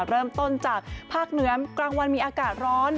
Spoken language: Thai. เริ่มต้นจากภาคเหนือกลางวันมีอากาศร้อน